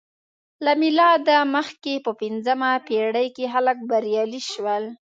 له میلاده مخکې په پنځمه پېړۍ کې خلک بریالي شول